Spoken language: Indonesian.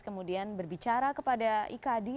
kemudian berbicara kepada ikdi